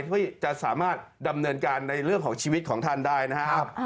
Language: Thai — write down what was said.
เพื่อจะสามารถดำเนินการในเรื่องของชีวิตของท่านได้นะครับ